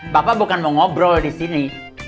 bapak bukan mau ngobrol disini